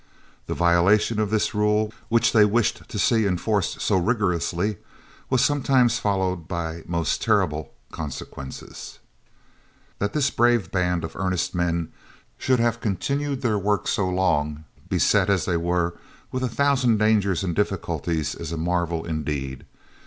The violation of this rule, which they wished to see enforced so rigorously, was sometimes followed by most terrible consequences. That this brave band of earnest men should have continued their work so long, beset, as they were, with a thousand dangers and difficulties, is a marvel indeed.